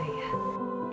dia adalah nafas saya